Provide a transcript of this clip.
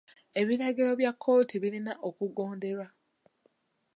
Ebiragiro bya kkooti birina okugonderwa.